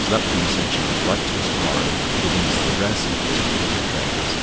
Lupkin said she would write to us to morrow, giving us the address and particulars of trains, etc.